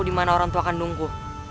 dimana orang tua kandungku